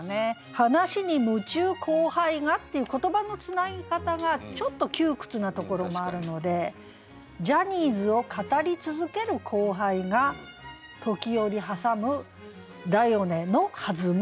「話に夢中後輩が」っていう言葉のつなぎ方がちょっと窮屈なところもあるので「ジャニーズを語り続ける後輩が時折はさむ『だよね』の弾む」。